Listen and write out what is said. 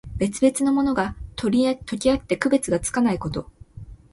別々のものが、とけあって区別がつかないこと。